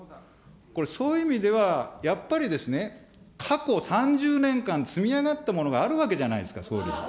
これ、そういう意味では、やっぱりですね、過去３０年間積み上がったものがあるわけじゃないですか、総理。